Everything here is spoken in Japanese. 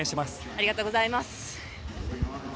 ありがとうございます。